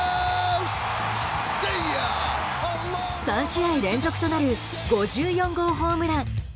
３試合連続となる５４号ホームラン。